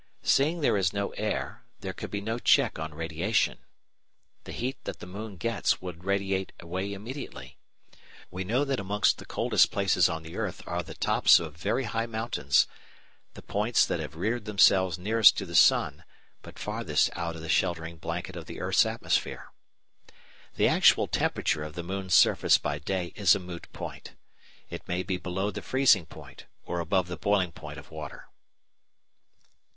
Seeing there is no air there can be no check on radiation. The heat that the moon gets will radiate away immediately. We know that amongst the coldest places on the earth are the tops of very high mountains, the points that have reared themselves nearest to the sun but farthest out of the sheltering blanket of the earth's atmosphere. The actual temperature of the moon's surface by day is a moot point. It may be below the freezing point or above the boiling point of water.